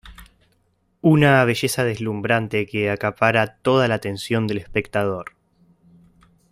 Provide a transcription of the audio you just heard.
Una belleza deslumbrante que acapara toda la atención del espectador.